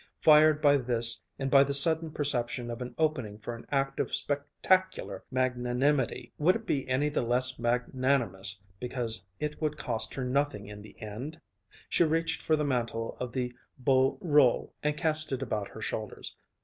Fired by this and by the sudden perception of an opening for an act of spectacular magnanimity would it be any the less magnanimous because it would cost her nothing in the end? she reached for the mantle of the beau rôle and cast it about her shoulders.